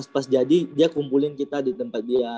pas jadi dia kumpulin kita di tempat dia